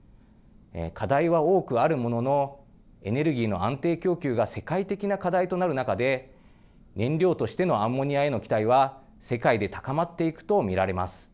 課題は多くあるもののエネルギーの安定供給が世界的な課題となる中で燃料としてのアンモニアへの期待は世界で高まっていくと見られます。